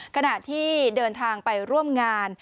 ขณะที่เดินทางไปร่วมงาน